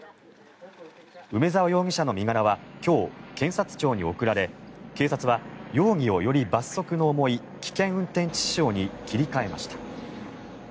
梅沢容疑者の身柄は今日、検察庁に送られ警察は、容疑をより罰則の重い危険運転致死傷罪に切り替えました。